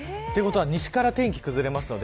西から天気崩れますので。